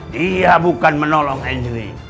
dia bukan menolong angel li